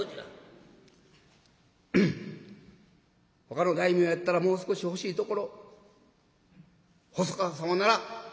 「ほかの大名やったらもう少し欲しいところ細川様なら百両」。